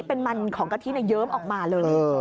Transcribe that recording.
เป็นมันของกะทิเยิ้มออกมาเลย